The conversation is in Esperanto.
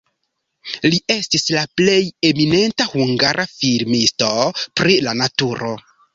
Li estis la plej eminenta hungara filmisto pri la naturo.